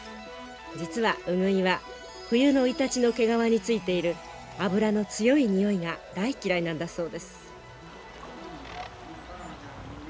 実はウグイは冬のイタチの毛皮についている脂の強いにおいが大嫌いなんだそうです。